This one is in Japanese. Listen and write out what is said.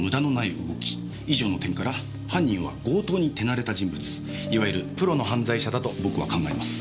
以上の点から犯人は強盗に手慣れた人物いわゆるプロの犯罪者だと僕は考えます。